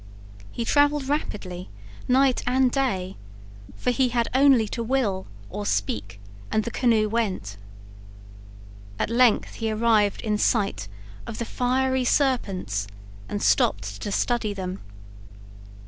He traveled rapidly night and day, for he had only to will or speak, and the canoe went. At length he arrived in sight of the fiery serpents, and stopped to study them.